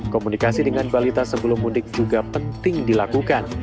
komunikasi dengan balita sebelum mudik juga penting dilakukan